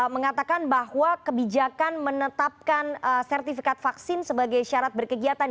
mengatakan bahwa kebijakan menetapkan sertifikat vaksin sebagai syarat berkegiatan